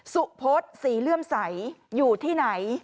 สุพศศรีเลื่อมใสอยู่ที่ไหน